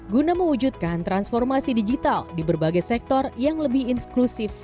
guna mewujudkan transformasi digital di berbagai sektor yang lebih inklusif